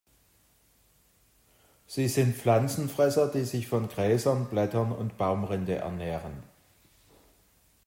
Sie sind Pflanzenfresser, die sich von Gräsern, Blättern und Baumrinde ernähren.